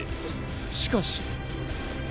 しかし。